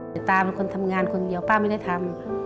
แต่ตาเป็นคนทำงานคนเดียวป้าไม่ได้ทำ